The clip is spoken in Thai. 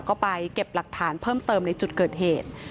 ก็ไปเก็บหลักฐานเพิ่มเติมในจุดเกิดเหตุ